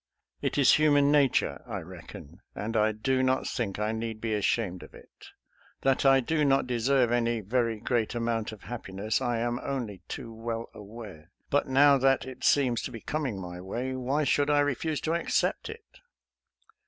It is human nature, I reckon, and I do not think I need be ashamed of it. That I do not deserve any very great amount of hap piness, I am only too well aware, but now that it seems to be coming my way, why should I refuse to accept it.?